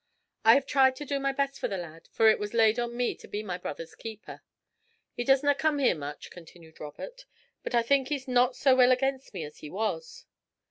'I have tried to do my best for the lad, for it was laid on me to be my brother's keeper. He doesna come here much,' continued Robert, 'but I think he's not so ill against me as he was.